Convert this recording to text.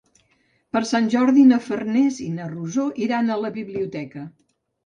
Per Sant Jordi na Farners i na Rosó iran a la biblioteca.